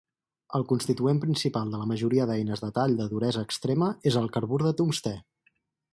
El constituent principal de la majoria d'eines de tall de duresa extrema és el carbur de tungstè